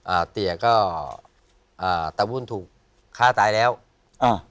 เตี๋ยก็อ่าตะวุ่นถูกฆ่าตายแล้วอ่า